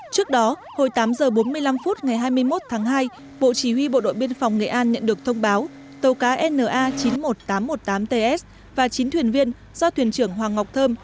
trước đó hồi tám h bốn mươi năm phút ngày hai mươi một tháng hai bộ chỉ huy bộ đội biên phòng nghệ an nhận được thông báo tàu cá na chín mươi một nghìn tám trăm một mươi tám ts và chín thuyền viên do thuyền trưởng hoàng ngọc thơm